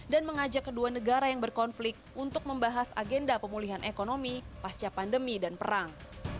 dan mengajak kedua negara yang berkonflik untuk membahas agenda pemulihan ekonomi pasca pandemi dan perang